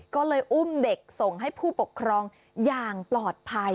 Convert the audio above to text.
ก็เลยอุ้มเด็กส่งให้ผู้ปกครองอย่างปลอดภัย